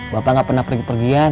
bapak gak pernah pergi pergian